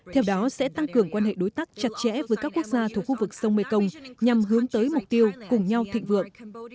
theo đó sẽ tăng cường quan hệ đối tác chặt chẽ với các quốc gia thuộc khu vực sông mekong nhằm hướng tới mục tiêu cùng nhau thịnh vượng